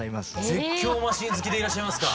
絶叫マシン好きでいらっしゃいますか。